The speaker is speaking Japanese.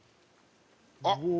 あっ！